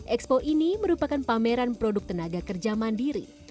expo ini merupakan pameran produk tenaga kerja mandiri